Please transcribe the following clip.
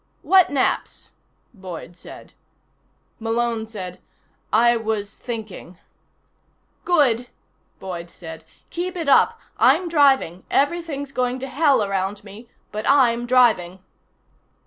"What naps?" Boyd said. Malone said: "I was thinking " "Good," Boyd said. "Keep it up. I'm driving. Everything's going to hell around me, but I'm driving."